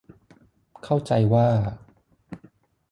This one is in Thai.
เข้าใจว่า